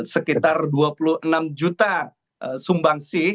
sekitar dua puluh enam juta sumbangsi